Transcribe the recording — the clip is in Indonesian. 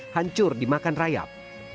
hancur di makan rayap